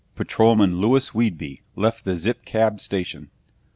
Patrolman Louis Whedbee left the Zip Cab station.